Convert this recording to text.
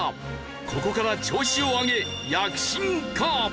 ここから調子を上げ躍進か！？